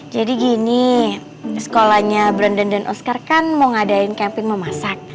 jadi gini sekolahnya brandon dan oscar kan mau ngadain camping memasak